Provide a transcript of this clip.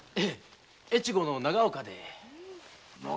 越後の長岡で。